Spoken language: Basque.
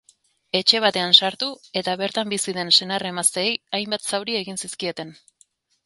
Etxe batean sartu eta bertan bizi den senar-emazteei hainbat zauri egin zizkieten.